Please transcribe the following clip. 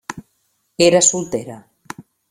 Era soltera.